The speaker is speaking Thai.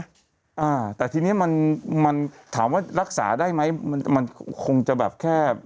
อ่าแต่ทีนี้ถามว่ารักษาได้ไหมมันคงจะแบบแค่